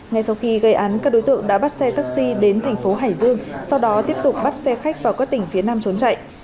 ngay sau khi gây án các đối tượng đã bắt xe taxi đến thành phố hải dương sau đó tiếp tục bắt xe khách vào các tỉnh phía nam trốn chạy